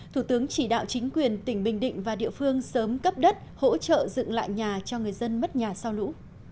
thủ tướng chỉ đạo chính quyền tỉnh bình định và địa phương sớm cấp đất hỗ trợ dựng lại nhà cho người dân mất nhà sau lũ